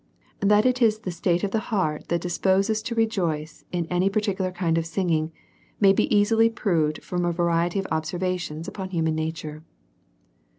That it is the state of the heart that disposes us to rejoice in any particular kind of singing', may be easily proved from a variety of observations upon human nature.